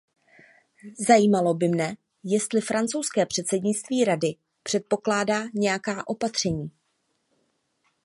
Zajímalo by mne, jestli francouzské předsednictví Rady předpokládá nějaká opatření.